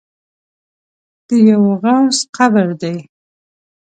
د یوه غوث قبر دی.